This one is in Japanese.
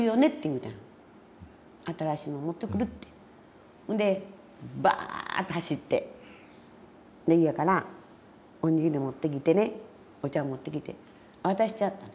「新しいの持ってくる」って。でバーッて走って家からお握りを持ってきてねお茶持ってきて渡してやった。